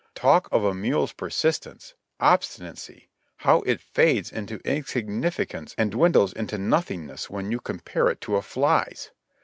Talk of a mule's persistence — obstinacy — how it fades into insignificance and dwindles into nothingness when you compare it to a fly's